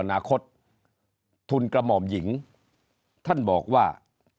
อนาคตทุนกระหม่อมหญิงท่านบอกว่า